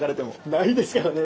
ないですからね